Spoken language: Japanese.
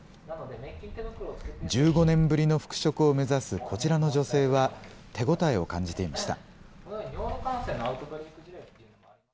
１５年ぶりの復職を目指すこちらの女性は、手応えを感じていました。